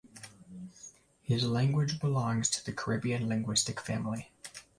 His language belongs to the Caribbean linguistic family.